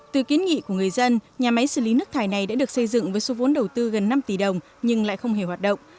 từ kiến nghị của người dân nhà máy xử lý nước thải này đã được xây dựng với số vốn đầu tư gần năm tỷ đồng nhưng lại không hề hoạt động